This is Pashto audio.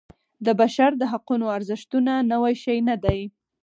د بشر د حقونو ارزښتونه نوی شی نه دی.